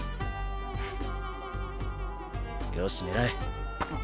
よし狙え。